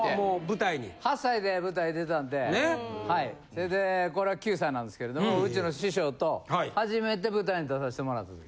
それでこれは９歳なんですけれどもうちの師匠と初めて舞台に出させてもらった時。